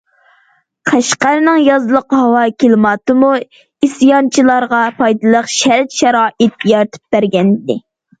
قەشقەرنىڭ يازلىق ھاۋا كىلىماتىمۇ ئىسيانچىلارغا پايدىلىق شەرت- شارائىت يارىتىپ بەرگەنىدى.